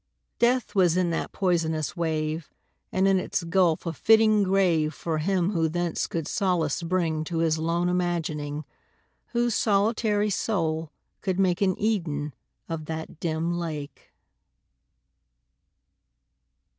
Death was in that poisonous wave, And in its gulf a fitting grave For him who thence could solace bring To his lone imagining Whose solitary soul could make An Eden of that dim lake.